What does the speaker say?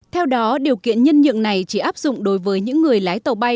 theo đó điều kiện nhân nhượng này chỉ áp dụng đối với những người lái tàu bay